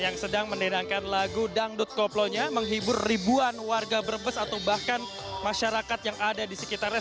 yang sedang menenangkan lagu dangdut koplonya menghibur ribuan warga brebes atau bahkan masyarakat yang ada di sekitarnya